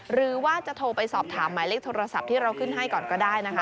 หรือว่าจะโทรไปสอบถามหมายเลขโทรศัพท์ที่เราขึ้นให้ก่อนก็ได้นะคะ